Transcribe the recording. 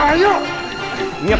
pak itu dia